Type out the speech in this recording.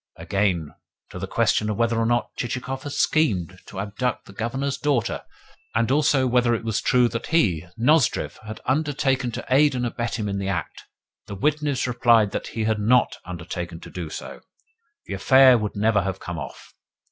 Again, to the question of whether or not Chichikov had schemed to abduct the Governor's daughter, and also whether it was true that he, Nozdrev, had undertaken to aid and abet him in the act, the witness replied that, had he not undertaken to do so, the affair would never have come off.